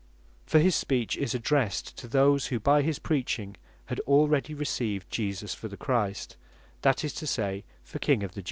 For his speech is addressed to those, who by his preaching had already received Jesus for the Christ, that is to say, for King of the Jews.